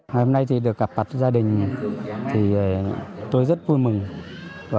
hôm nay được gặp mặt gia đình tôi rất vui mừng